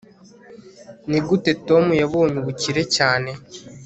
nigute tom yabonye ubukire cyane